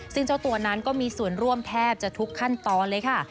ซึ่งเจ้าตัวนั้นก็มีส่วนร่วมแทบจะทุกขั้นตอนเลยค่ะ